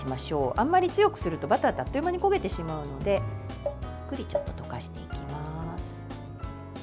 あんまり強くすると、バターってあっという間に焦げてしまうのでゆっくり溶かしていきます。